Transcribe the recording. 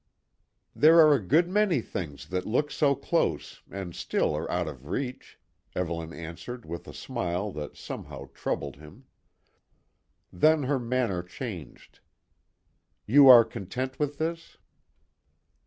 "There are a good many things that look so close and still are out of reach," Evelyn answered with a smile that somehow troubled him. Then her manner changed. "You are content with this?"